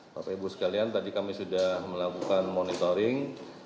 bapak ibu sekalian tadi kami sudah melakukan monitoring